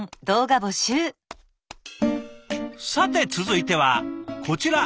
さて続いてはこちら。